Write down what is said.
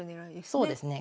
そうですね。